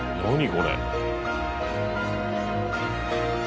これ。